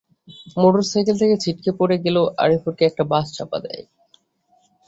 Motorcycle থেকে ছিটকে সড়কে পড়ে গেলে আরিফুরকে একটি বাস চাপা দেয়।